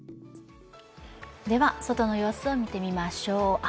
では、外の様子を見てみましょう。